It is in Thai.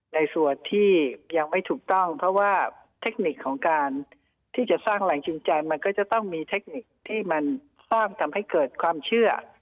ในส่วนที่ยังไม่ถูกต้องเพราะว่าเทคนิคของการที่จะสร้างแรงจูงใจมันก็จะต้องมีเทคนิคที่มันสร้างทำให้เกิดความเชื่อ